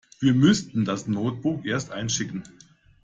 Wir müssten das Notebook erst einschicken.